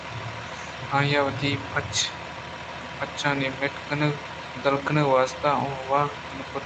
آئی ءَ وتی پُچّانی مٹّ کنگ / بدل کنگ ءِ واست ءَ اوں واک نہ کُتگ